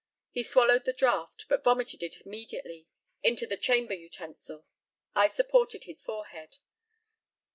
He swallowed the draught, but vomited it immediately into the chamber utensil. I supported his forehead.